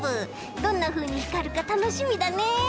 どんなふうにひかるかたのしみだね。